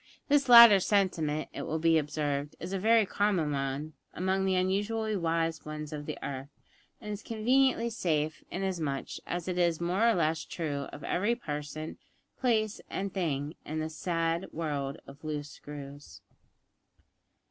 This latter sentiment, it will be observed, is a very common one among the unusually wise ones of the earth, and is conveniently safe, inasmuch as it is more or less true of every person, place, and thing in this sad world of loose screws.